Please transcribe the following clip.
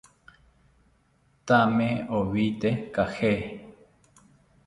Thame owite caje